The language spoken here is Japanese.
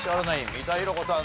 三田寛子さん